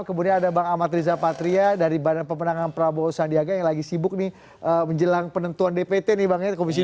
kemudian ada bang amat riza patria dari badan pemenangan prabowo sandiaga yang lagi sibuk nih menjelang penentuan dpt nih bang ya komisi dua